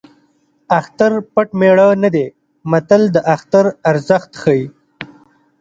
اختر پټ مېړه نه دی متل د اختر ارزښت ښيي